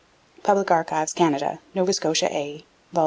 Public Archives, Canada. Nova Scotia A, vol.